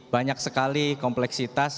banyak sekali kompleksitas